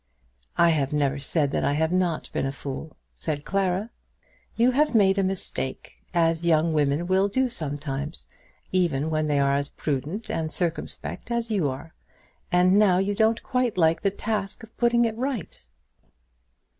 "I have never said that I have not been a fool," said Clara. "You have made a mistake, as young women will do sometimes, even when they are as prudent and circumspect as you are, and now you don't quite like the task of putting it right."